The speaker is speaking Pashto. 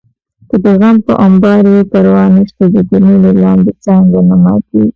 که دې غم په امبار وي پروا نشته د ګلونو لاندې څانګه نه ماتېږي